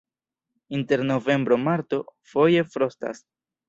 Inter novembro-marto foje frostas.